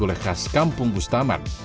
gulai khas kampung bustaman